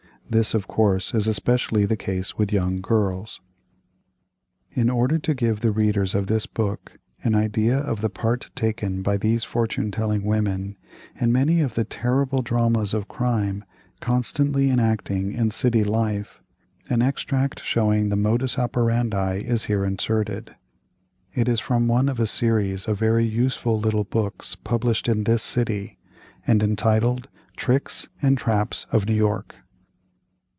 This, of course, is especially the case with young girls. In order to give the readers of this book an idea of the part taken by these fortune telling women in many of the terrible dramas of crime constantly enacting in city life, an extract showing the modus operandi is here inserted. It is from one of a series of very useful little books published in this city, and entitled, "Tricks and Traps of New York."